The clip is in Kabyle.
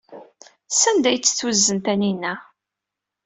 Sanda ay tt-tuzen Taninna?